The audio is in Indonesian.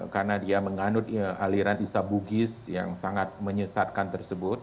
karena dia menganut aliran isa bugis yang sangat menyesatkan tersebut